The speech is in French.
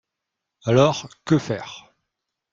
Alors, que faire?